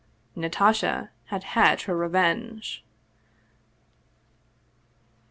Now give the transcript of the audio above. Natasha had had her revenge.